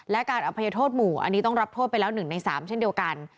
และการอภัยโทษหมู่อันนี้ต้องรับโทษไปแล้ว๑ใน๓เช่นเดียวกัน